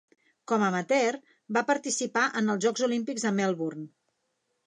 Com amateur, va participar en els Jocs Olímpics de Melbourne.